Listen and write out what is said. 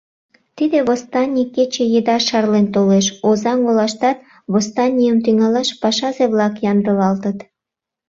Тиде восстаний кече еда шарлен толеш. Озаҥ олаштат восстанийым тӱҥалаш пашазе-влак ямдылалтыт.